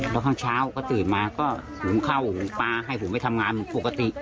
แล้วข้างเช้าก็ตื่นมาก็หุงข้าวหุงปลาให้ผมไปทำงานปกติ